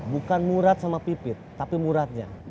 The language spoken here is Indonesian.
bukan murad sama pipit tapi muradnya